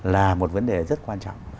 là một vấn đề rất quan trọng